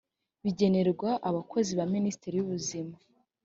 bigenerwa abakozi ba minisiteri y ubuzima